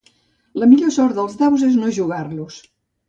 La millor sort dels daus és no jugar-los.